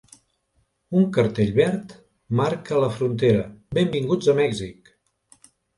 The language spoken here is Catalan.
Un cartell verd marca la frontera: ‘Benvinguts a Mèxic.’